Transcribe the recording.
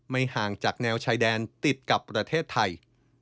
ห่างจากแนวชายแดนติดกับประเทศไทย